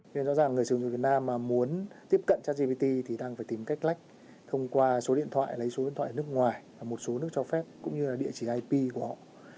nên rõ ràng người sử dụng việt nam mà muốn tiếp cận cho gpt thì đang phải tìm cách lách thông qua số điện thoại lấy số điện thoại ở nước ngoài và một số nước cho phép cũng như là địa chỉ ip của họ